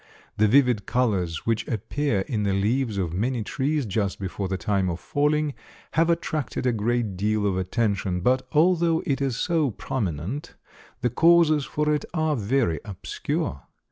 The vivid colors which appear in the leaves of many trees just before the time of falling have attracted a great deal of attention, but although it is so prominent, the causes for it are very obscure.